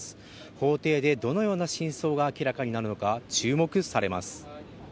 法廷でどのような真相が明らかになるのか注目されます。